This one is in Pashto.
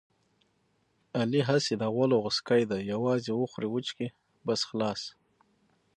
علي هسې د غولو غوڅکی دی یووازې وخوري وچکي بس خلاص.